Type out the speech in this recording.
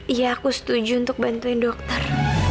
iya aku setuju untuk bantuin dokter